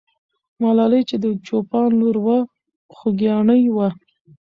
ملالۍ چې د چوپان لور وه، خوګیاڼۍ وه.